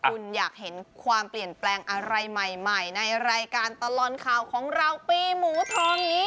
คุณอยากเห็นความเปลี่ยนแปลงอะไรใหม่ในรายการตลอดข่าวของเราปีหมูทองนี้